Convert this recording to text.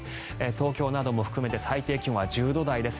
東京なども含めて最低気温は１０度台です。